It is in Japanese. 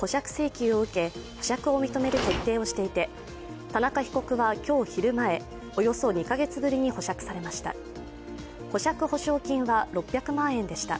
旧を受け、保釈を認める決定をしていて、田中被告は今日昼前、およそ２カ月ぶりに保釈されました保釈保証金は６００万円でした。